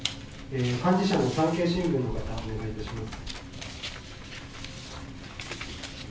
幹事社の産経新聞の方、お願いいたします。